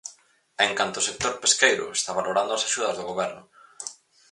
En canto ó sector pesqueiro, está valorando as axudas do goberno.